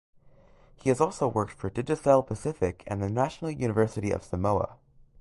He has also worked for Digicel Pacific and the National University of Samoa.